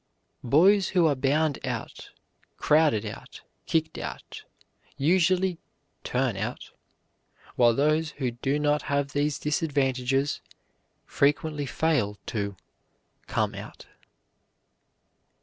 Boys who are bound out, crowded out, kicked out, usually "turn out," while those who do not have these disadvantages frequently fail to "come out."